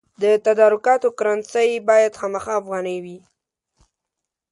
د تدارکاتو کرنسي باید خامخا افغانۍ وي.